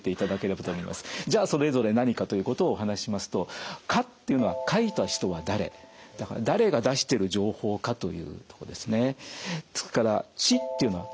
じゃあそれぞれ何かということをお話ししますとだから誰が出してる情報かというとこですね。